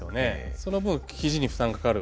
その分ひじに負担かかる。